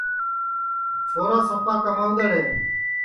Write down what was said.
چھورا سپا کمائدڑ ہے